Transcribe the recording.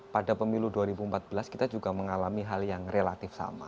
pada pemilu dua ribu empat belas kita juga mengalami hal yang relatif sama